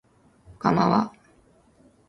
かまは